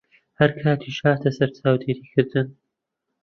هەر کاتیش هاتە سەر چاودێریکردن